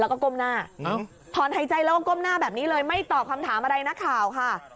แล้วก็ก้มหน้าถอนหายใจแล้วก็ก้มหน้าแบบนี้เลยไม่ตอบคำถามอะไรนักข่าวค่ะ